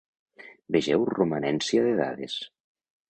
Vegeu romanència de dades.